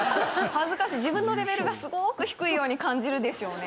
自分のレベルがすごく低いように感じるでしょうね。